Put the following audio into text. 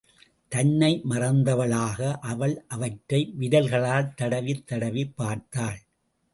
தன்னை மறந்தவளாக அவள் அவற்றை விரல்களால் தடவித் தடவிப் பார்த்தாள்.